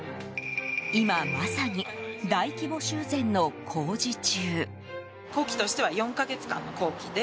今まさに大規模修繕の工事中。